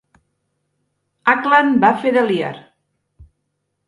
Ackland va fer de Lear.